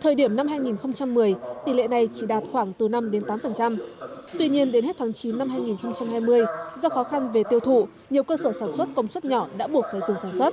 thời điểm năm hai nghìn một mươi tỷ lệ này chỉ đạt khoảng từ năm tám tuy nhiên đến hết tháng chín năm hai nghìn hai mươi do khó khăn về tiêu thụ nhiều cơ sở sản xuất công suất nhỏ đã buộc phải dừng sản xuất